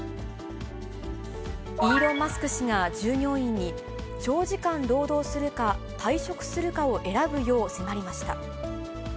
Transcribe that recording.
イーロン・マスク氏が従業員に、長時間労働するか、退職するかを選ぶよう迫りました。